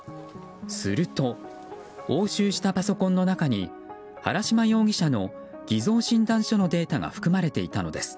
すると、押収したパソコンの中に原島容疑者の偽造診断書のデータが含まれていたのです。